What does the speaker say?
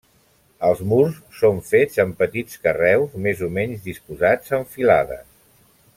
Els murs són fets amb petits carreus més o menys disposats en filades.